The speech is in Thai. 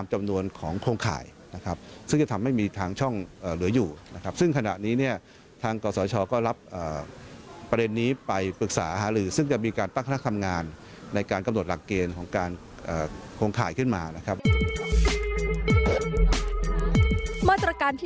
มาตรการที่ออกมา